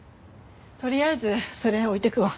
とりあえずそれ置いていくわ。